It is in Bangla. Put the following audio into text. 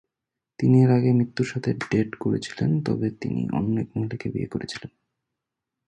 তিনি এর আগে মৃত্যুর সাথে ডেট করেছিলেন তবে তিনি অন্য এক মহিলাকে বিয়ে করেছিলেন।